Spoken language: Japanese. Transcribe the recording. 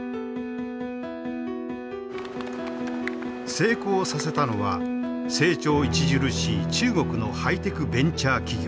成功させたのは成長著しい中国のハイテクベンチャー企業。